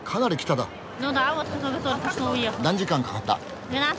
何時間かかった？